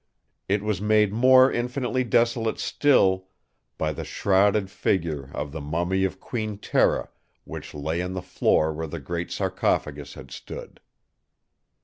"It was made more infinitely desolate still by the shrouded figure of the mummy of Queen Tera which lay on the floor where the great sarcophagus had stood!